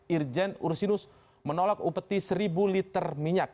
irjen ursinus menolak upeti seribu liter minyak